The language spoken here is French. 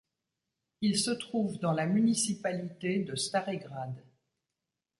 Il se trouve dans la municipalité de Stari grad.